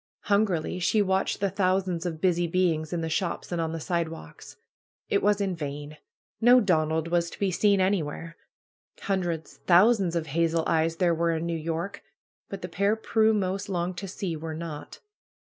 Hungrily she watched the thousands of busy beings in the shops and on the sidewalks. It was in vain. No Donald was to be seen anywhere. Hundreds, thousands of hazel eyes there were in New York. But the pair Prue most longed to see were not.